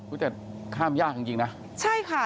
อุ๊ยแต่ข้ามยากจริงนะใช่ค่ะ